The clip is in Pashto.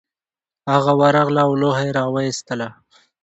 هغه ورغله او لوحه یې راویستله